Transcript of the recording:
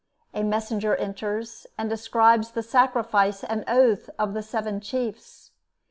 A messenger enters, and describes the sacrifice and oath of the seven chiefs.